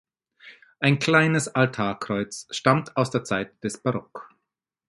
Ein kleines Altarkreuz stammt aus der Zeit des Barock.